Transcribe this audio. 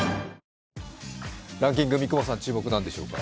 ランキング、三雲さん、注目は何でしょうか。